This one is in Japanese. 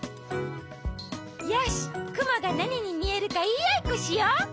よしくもがなににみえるかいいあいっこしよう！